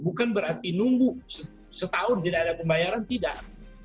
bukan berarti nunggu setahun tidak ada pembayaran tidak